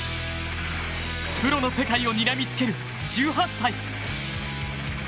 プロの世界をにらみつける１８歳。